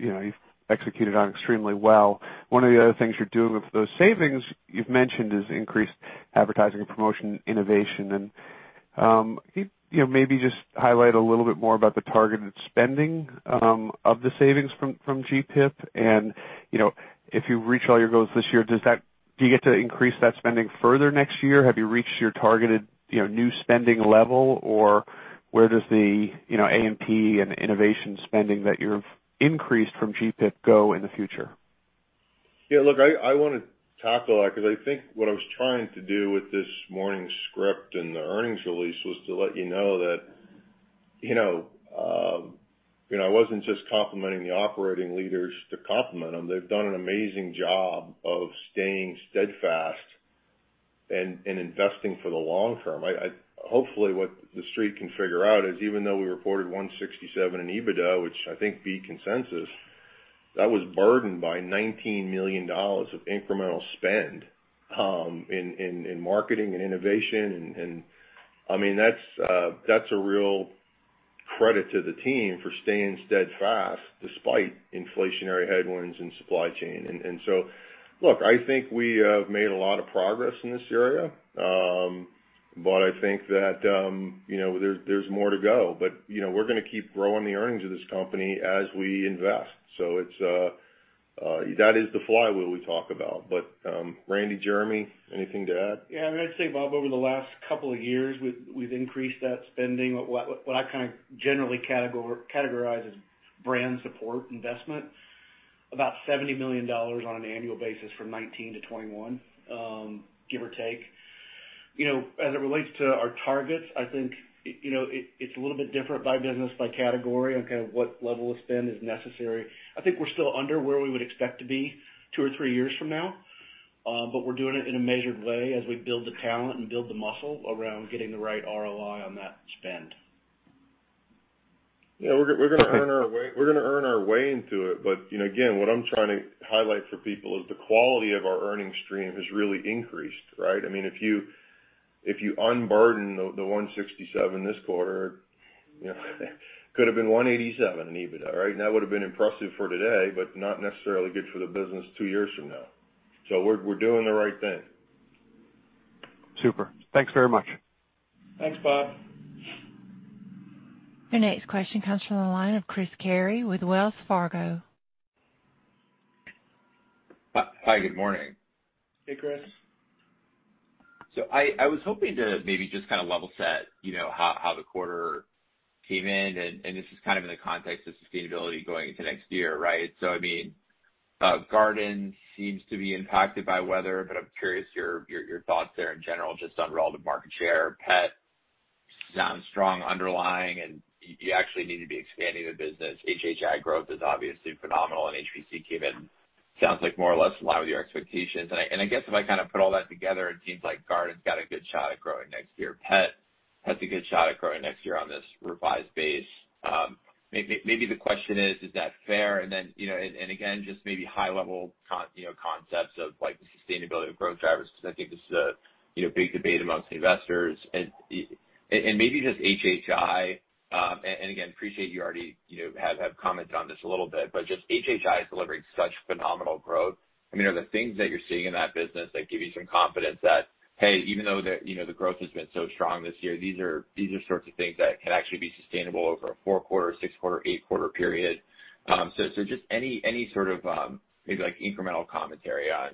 you've executed on extremely well. One of the other things you're doing with those savings you've mentioned is increased advertising and promotion innovation. Can you maybe just highlight a little bit more about the targeted spending of the savings from GPIP and if you reach all your goals this year, do you get to increase that spending further next year? Have you reached your targeted new spending level, or where does the A&P and innovation spending that you've increased from GPIP go in the future? Yeah, look, I want to tackle that because I think what I was trying to do with this morning's script and the earnings release was to let you know that I wasn't just complimenting the operating leaders to compliment them. They've done an amazing job of staying steadfast and investing for the long term. Hopefully, what the Street can figure out is, even though we reported $167 in EBITDA, which I think beat consensus, that was burdened by $19 million of incremental spend in marketing and innovation. That's a real credit to the team for staying steadfast despite inflationary headwinds and supply chain. Look, I think we have made a lot of progress in this area. I think that there's more to go. We're going to keep growing the earnings of this company as we invest. That is the flywheel we talk about. Randy, Jeremy, anything to add? I mean, I'd say, Bob, over the last couple of years, we've increased that spending, what I kind of generally categorize as brand support investment, about $70 million on an annual basis from 2019 to 2021, give or take. As it relates to our targets, I think it's a little bit different by business, by category on kind of what level of spend is necessary. I think we're still under where we would expect to be two or three years from now. We're doing it in a measured way as we build the talent and build the muscle around getting the right ROI on that spend. Yeah, we're gonna earn our way into it, again, what I'm trying to highlight for people is the quality of our earnings stream has really increased, right? I mean, if you unburden the $167 this quarter could've been $187 in EBITDA, right? That would've been impressive for today, but not necessarily good for the business two years from now. We're doing the right thing. Super. Thanks very much. Thanks, Bob. Your next question comes from the line of Chris Carey with Wells Fargo. Hi, good morning. Hey, Chris. I was hoping to maybe just kind of level set how the quarter came in, and this is kind of in the context of sustainability going into next year, right? I mean, Home and Garden seems to be impacted by weather, but I'm curious your thoughts there in general, just on relative market share. Pet sounds strong underlying, and you actually need to be expanding the business. HHI growth is obviously phenomenal, and HPC came in, sounds like more or less in line with your expectations. I guess if I put all that together, it seems like Garden's got a good shot at growing next year. Pet has a good shot at growing next year on this revised base. Maybe the question is that fair? Again, just maybe high level concepts of the sustainability of growth drivers, because I think this is a big debate amongst investors. Maybe just HHI, again, appreciate you already have commented on this a little bit, but just HHI is delivering such phenomenal growth. Are there things that you're seeing in that business that give you some confidence that, hey, even though the growth has been so strong this year, these are sorts of things that can actually be sustainable over a four quarter, six quarter, eight quarter period? Just any sort of, maybe incremental commentary on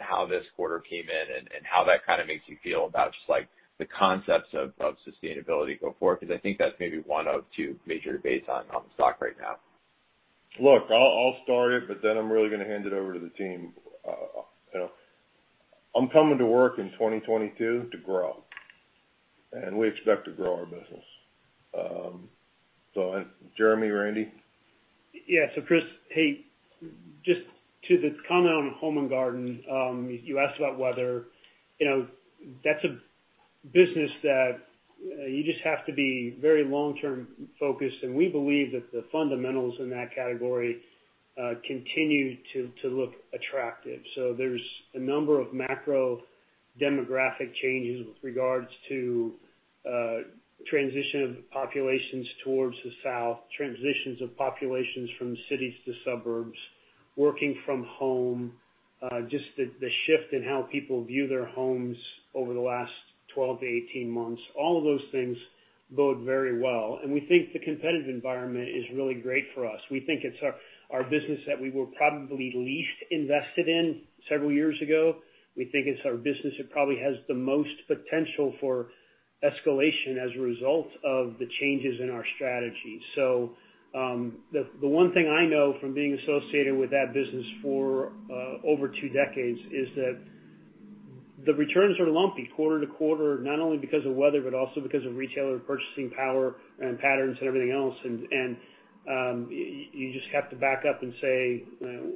how this quarter came in and how that kind of makes you feel about just the concepts of sustainability going forward. I think that's maybe one of two major debates on the stock right now. Look, I'll start it, but then I'm really going to hand it over to the team. I'm coming to work in 2022 to grow, and we expect to grow our business. Jeremy, Randy? Chris, hey, just to the comment on Home and Garden. You asked about weather. That's a business that you just have to be very long-term focused, and we believe that the fundamentals in that category continue to look attractive. There's a number of macro demographic changes with regards to transition of populations towards the south, transitions of populations from cities to suburbs, working from home. Just the shift in how people view their homes over the last 12 to 18 months. All of those things bode very well, and we think the competitive environment is really great for us. We think it's our business that we were probably least invested in several years ago. We think it's our business that probably has the most potential for escalation as a result of the changes in our strategy. The one thing I know from being associated with that business for over two decades is that the returns are lumpy quarter to quarter, not only because of weather, but also because of retailer purchasing power and patterns and everything else. You just have to back up and say,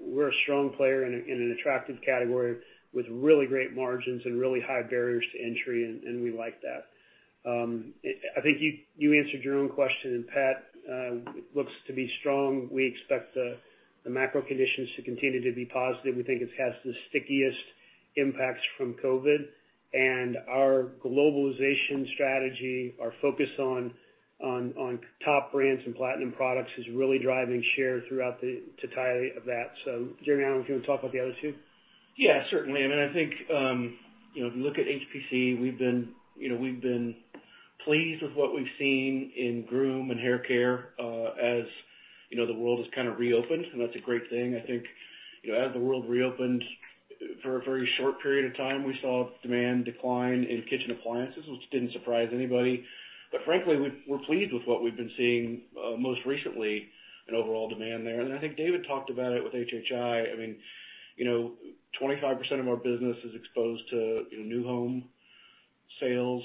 we're a strong player in an attractive category with really great margins and really high barriers to entry, and we like that. I think you answered your own question, Pet looks to be strong. We expect the macro conditions to continue to be positive. We think it has the stickiest impacts from COVID-19. Our globalization strategy, our focus on top brands and platinum products is really driving share throughout the totality of that. Jeremy, I don't know if you want to talk about the other two? Yeah, certainly. I think, if you look at HPC, we've been pleased with what we've seen in Groom and Hair Care as the world has kind of reopened, and that's a great thing. I think as the world reopened, for a very short period of time, we saw demand decline in kitchen appliances, which didn't surprise anybody. Frankly, we're pleased with what we've been seeing most recently in overall demand there. I think David talked about it with HHI. 25% of our business is exposed to new home sales,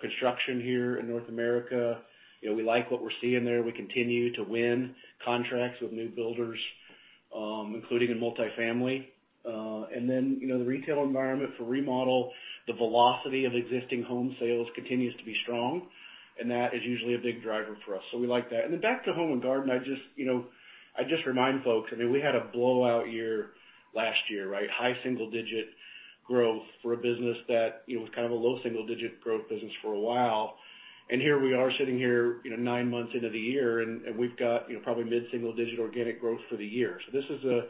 construction here in North America. We like what we're seeing there. We continue to win contracts with new builders, including in multifamily. The retail environment for remodel, the velocity of existing home sales continues to be strong, and that is usually a big driver for us. We like that. Then back to Home and Garden, I just remind folks, we had a blowout year last year, right? High single-digit growth for a business that was kind of a low single-digit growth business for a while. Here we are sitting here nine months into the year, and we've got probably mid-single-digit organic growth for the year. This is a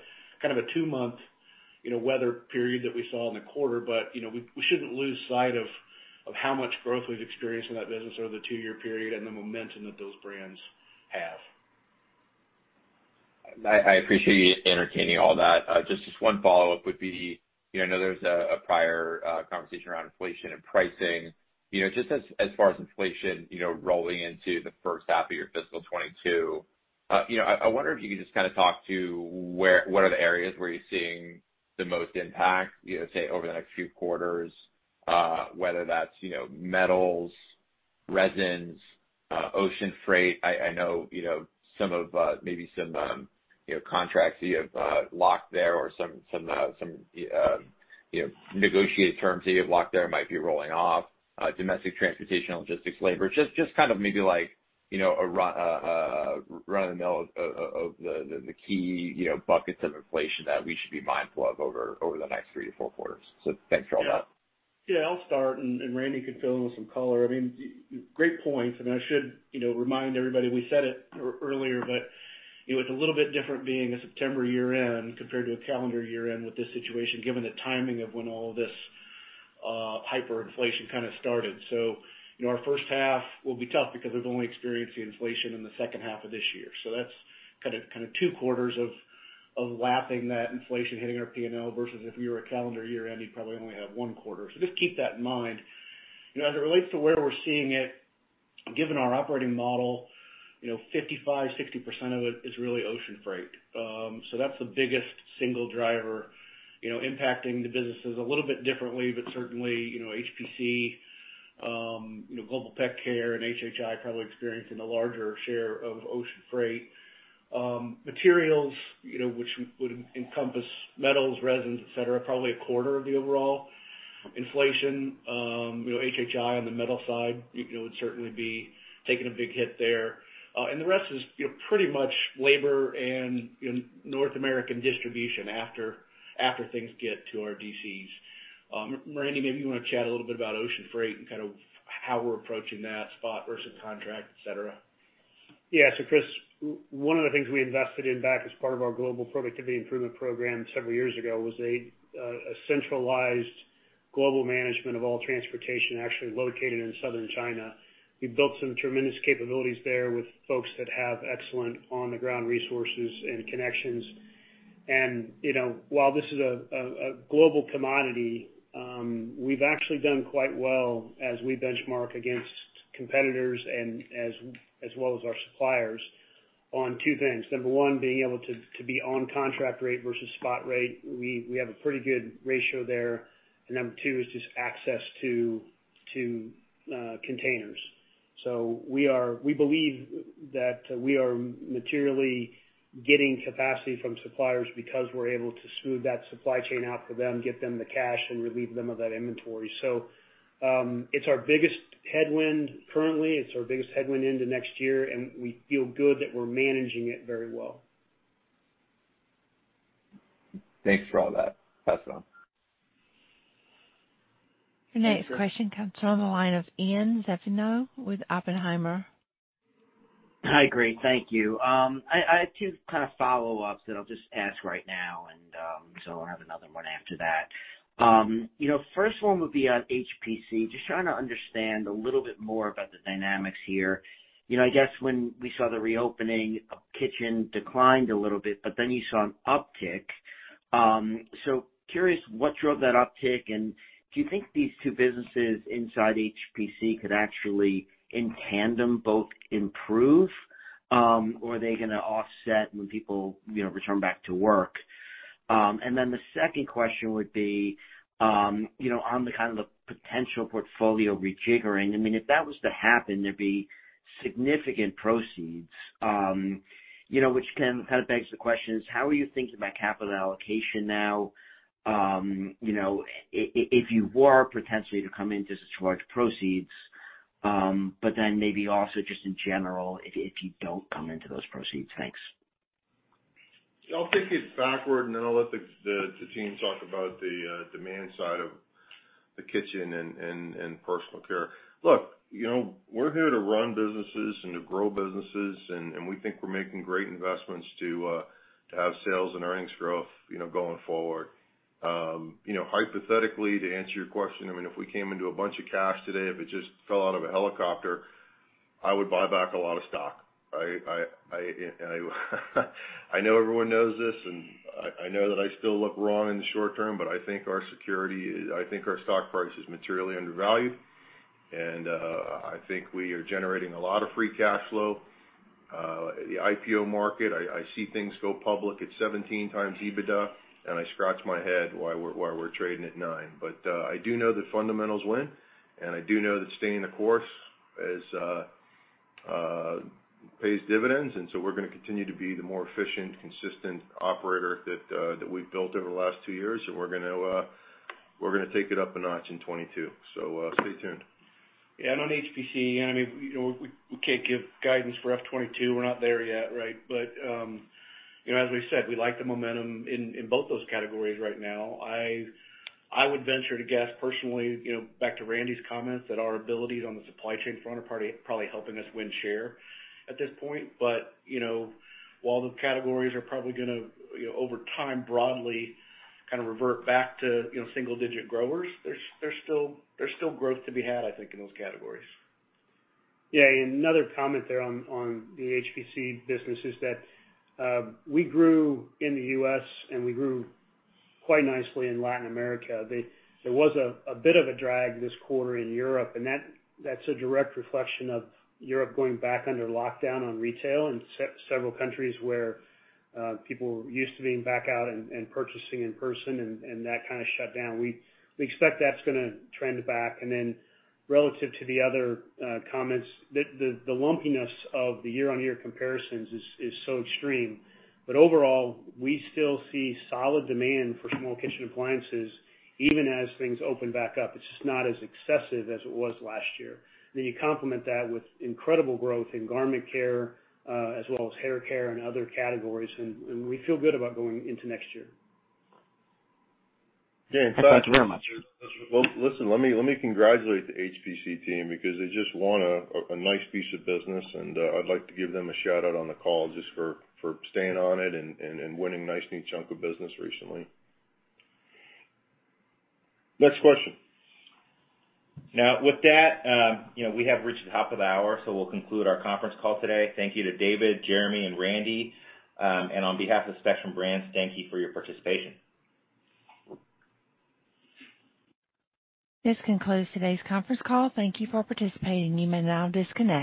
two-month weather period that we saw in the quarter. We shouldn't lose sight of how much growth we've experienced in that business over the two-year period and the momentum that those brands have. I appreciate you entertaining all that. 1 follow-up would be, I know there was a prior conversation around inflation and pricing. As far as inflation rolling into the 1st half of your fiscal FY 2022, I wonder if you could just talk to what are the areas where you're seeing the most impact, say, over the next few quarters, whether that's metals, resins, ocean freight. I know maybe some contracts that you have locked there or some negotiated terms that you have locked there might be rolling off. Domestic transportation, logistics, labor. Maybe a run of the mill of the key buckets of inflation that we should be mindful of over the next three to four quarters. Thanks for all that. I'll start and Randy can fill in with some color. Great points, and I should remind everybody, we said it earlier, but it's a little bit different being a September year-end compared to a calendar year-end with this situation, given the timing of when all this hyperinflation kind of started. Our first half will be tough because we've only experienced the inflation in the second half of this year. That's kind of two quarters of lapping that inflation hitting our P&L versus if we were a calendar year-end, you'd probably only have one quarter. Just keep that in mind. As it relates to where we're seeing it, given our operating model, 55%-60% of it is really ocean freight. That's the biggest single driver impacting the businesses a little bit differently, but certainly, HPC, Global Pet Care, and HHI probably experiencing a larger share of ocean freight. Materials, which would encompass metals, resins, et cetera, probably a quarter of the overall inflation. HHI on the metal side would certainly be taking a big hit there. The rest is pretty much labor and North American distribution after things get to our DCs. Randy, maybe you want to chat a little bit about ocean freight and kind of how we're approaching that spot versus contract, et cetera. Yeah. Chris, one of the things we invested in back as part of our Global Productivity Improvement Program several years ago was a centralized global management of all transportation actually located in southern China. We built some tremendous capabilities there with folks that have excellent on-the-ground resources and connections. While this is a global commodity, we've actually done quite well as we benchmark against competitors and as well as our suppliers on two things. Number one, being able to be on contract rate versus spot rate. We have a pretty good ratio there. Number two is just access to containers. We believe that we are materially getting capacity from suppliers because we're able to smooth that supply chain out for them, get them the cash, and relieve them of that inventory. It's our biggest headwind currently. It's our biggest headwind into next year, and we feel good that we're managing it very well. Thanks for all that. Pass it on. Your next question comes from the line of Ian Zaffino with Oppenheimer. Hi, great. Thank you. I have two kind of follow-ups that I'll just ask right now, and so I'll have another one after that. First one would be on HPC. Trying to understand a little bit more about the dynamics here. I guess when we saw the reopening of kitchen declined a little bit, but then you saw an uptick. Curious what drove that uptick, and do you think these two businesses inside HPC could actually in tandem both improve? Are they going to offset when people return back to work? The second question would be on the kind of the potential portfolio rejiggering. If that was to happen, there'd be significant proceeds, which then kind of begs the question is, how are you thinking about capital allocation now? If you were potentially to come into such large proceeds, but then maybe also just in general if you don't come into those proceeds. Thanks. I'll take it backward and then I'll let the team talk about the demand side of the kitchen and personal care. Look, we're here to run businesses and to grow businesses, and we think we're making great investments to have sales and earnings growth going forward. Hypothetically, to answer your question, if we came into a bunch of cash today, if it just fell out of a helicopter, I would buy back a lot of stock, right? I know everyone knows this, and I know that I still look wrong in the short term, but I think our stock price is materially undervalued. I think we are generating a lot of free cash flow. The IPO market, I see things go public at 17x EBITDA, and I scratch my head why we're trading at 9x. I do know that fundamentals win, and I do know that staying the course pays dividends. We're going to continue to be the more efficient, consistent operator that we've built over the last two years, and we're going to take it up a notch in 2022. So stay tuned. On HPC, we can't give guidance for FY 2022. We're not there yet, right? As we said, we like the momentum in both those categories right now. I would venture to guess personally, back to Randy's comments, that our abilities on the supply chain front are probably helping us win share at this point. While the categories are probably going to over time broadly kind of revert back to single-digit growers, there's still growth to be had, I think, in those categories. Another comment there on the HPC business is that we grew in the U.S., and we grew quite nicely in Latin America. There was a bit of a drag this quarter in Europe, and that's a direct reflection of Europe going back under lockdown on retail in several countries where people were used to being back out and purchasing in person, and that kind of shut down. We expect that's going to trend back. Relative to the other comments, the lumpiness of the year-on-year comparisons is so extreme. Overall, we still see solid demand for small kitchen appliances, even as things open back up. It's just not as excessive as it was last year. You complement that with incredible growth in garment care as well as hair care and other categories, and we feel good about going into next year. Thanks very much. Well, listen, let me congratulate the HPC team because they just won a nice piece of business, and I'd like to give them a shout-out on the call just for staying on it and winning a nice, neat chunk of business recently. Next question. With that, we have reached the top of the hour, we'll conclude our conference call today. Thank you to David, Jeremy, and Randy. On behalf of Spectrum Brands, thank you for your participation. This concludes today's conference call. Thank you for participating. You may now disconnect.